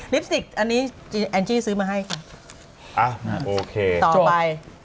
ลิปสติกอันนี้แอนซี่ซื้อมาให้ต่อไป